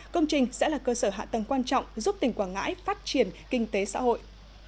công trình sẽ là cơ sở hạ tầng quan trọng giúp tỉnh quảng ngãi phát triển kinh tế xã hội